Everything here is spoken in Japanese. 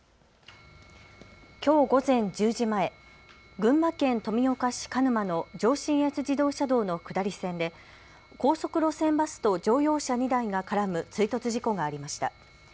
きょう午前１０時前、群馬県富岡市蚊沼の上信越自動車道の下り線で高速路線バスと乗用車２台が絡む追突事故がありました。